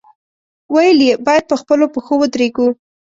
ویل یې، باید په خپلو پښو ودرېږو.